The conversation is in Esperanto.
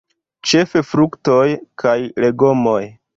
Ĉefe fruktoj kaj legomoj.